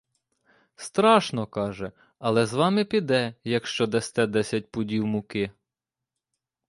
Страшно, каже, але з вами піде, якщо дасте десять пудів муки.